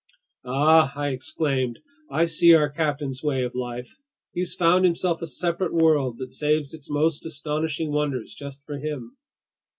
"Ah!" I exclaimed. "I see our captain's way of life! He's found himself a separate world that saves its most astonishing wonders just for him!"